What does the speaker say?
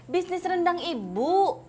bisnis rendang ibu